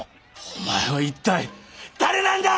お前は一体誰なんだ！